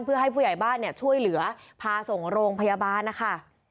เพื่อให้ผู้ใหญ่บ้านเนี่ยช่วยเหลือพาส่งโรงพยาบาลนะคะ